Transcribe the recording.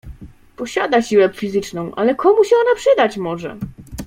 "Posiada siłę fizyczną, ale komu się ona przydać może!"